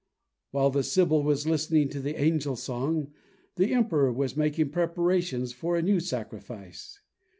While the sibyl was listening to the angel song, the Emperor was making preparations for a new sacrifice.